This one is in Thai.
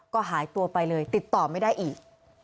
ก็หายตัวไปเลยติดต่อไม่ได้อีก